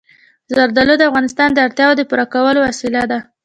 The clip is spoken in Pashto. زردالو د افغانانو د اړتیاوو د پوره کولو وسیله ده.